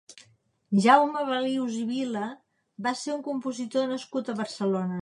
Jaume Balius i Vila va ser un compositor nascut a Barcelona.